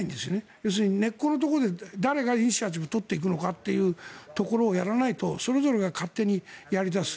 要するに根っこのところで誰がイニシアチブを取っていくのかというところをやらないとそれぞれが勝手にやり出す。